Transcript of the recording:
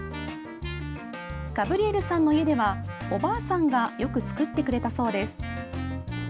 ガブリエルさんの家ではおばあさんがよく作ってくれたそうです。